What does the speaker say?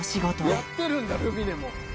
やってるんだルミネも。